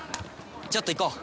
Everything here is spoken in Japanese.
ちょっと行こう！